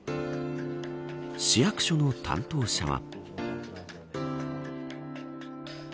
市役所の担当者は。